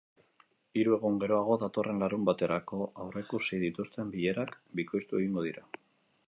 Hiru egun geroago, datorren larunbaterako aurrikusi dituzten bilerak bikoiztu egingo dira.